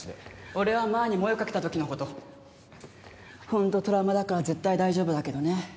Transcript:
俺は前に燃えかけたときのことほんとトラウマだから絶対大丈夫だけどね。